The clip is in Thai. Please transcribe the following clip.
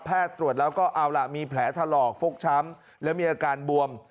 ตรวจแล้วก็เอาล่ะมีแผลถลอกฟกช้ำและมีอาการบวม